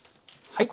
はい。